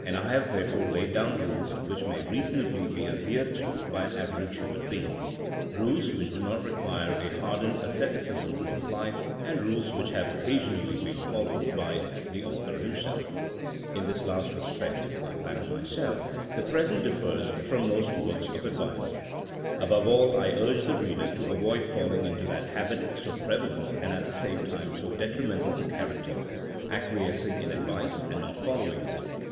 I have therefore laid down rules which may reasonably be adhered to 1 And consult Arnold Bennett's How to Live on 24 Hours a Day, THINKING AS A SCIENCE 241 by an average human, rules which do not require a hardened asceticism to apply, and rules which have occasionally been followed by the author himself. In this last respect, I flatter myself, the present differs from most books of advice. Above all I urge the reader to avoid falling into that habit so prevalent and at the same time so detrimental to character :— acquiescing in ad vice and not following it.